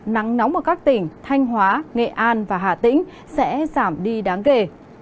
nắng nóng ở các tỉnh thanh hóa nghệ an và hà tĩnh sẽ giảm đi đáng kể